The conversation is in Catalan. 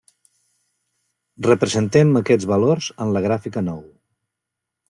Representem aquests valors en la gràfica nou.